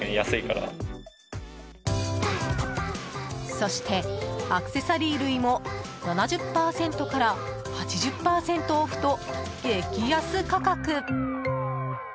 そして、アクセサリー類も７０％から８０％オフと激安価格。